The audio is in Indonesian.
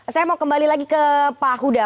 saya mau kembali lagi ke pak huda